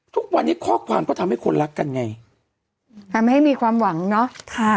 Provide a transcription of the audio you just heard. ทุกวันนี้ข้อความก็ทำให้คนรักกันไงทำให้มีความหวังเนอะค่ะ